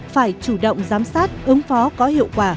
phải chủ động giám sát ứng phó có hiệu quả